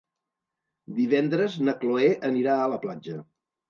Divendres na Cloè anirà a la platja.